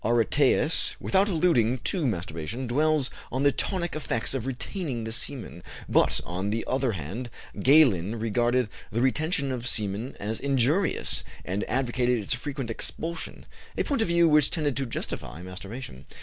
Aretæus, without alluding to masturbation, dwells on the tonic effects of retaining the semen; but, on the other hand, Galen regarded the retention of semen as injurious, and advocated its frequent expulsion, a point of view which tended to justify masturbation.